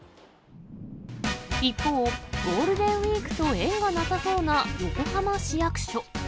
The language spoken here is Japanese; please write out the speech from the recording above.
一方、ゴールデンウィークと縁がなさそうな横浜市役所。